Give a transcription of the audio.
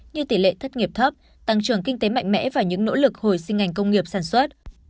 như tỷ lệ thất nghiệp thấp tăng trưởng kinh tế mạnh mẽ và những nỗ lực hồi sinh ngành công nghiệp sản xuất